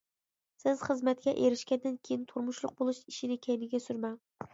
سىز خىزمەتكە ئېرىشكەندىن كىيىن تۇرمۇشلۇق بولۇش ئىشىنى كەينىگە سۈرمەڭ.